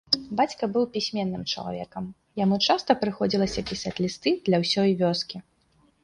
Бацька быў пісьменным чалавекам, яму часта прыходзілася пісаць лісты для ўсёй вёскі.